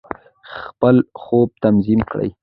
خپل خوب تنظیم کړئ.